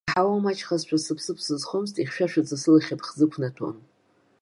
Аҳауа маҷхазшәа сыԥсыԥ сызхомызт, ихьшәашәаӡа сылахь аԥхӡы ықәнаҭәон.